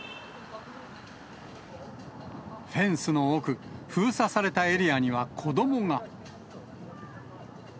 フェンスの奥、封鎖されたエリアには、子どもが。